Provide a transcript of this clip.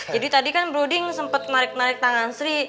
jadi tadi kan bro d sempet narik narik tangan sri